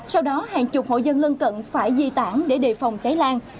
sau đó hàng chục hộ dân lân cận phải di tản để đề phòng cháy lan